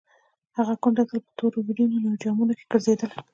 هغه کونډه تل په تورو ویرمنو جامو کې ګرځېدله.